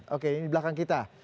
oke ini di belakang kita